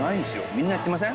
みんなやってません？